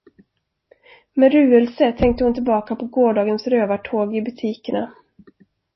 Med ruelse tänkte hon tillbaka på gårdagens rövartåg i butikerna.